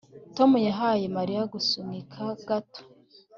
Tom yahaye Mariya gusunika gato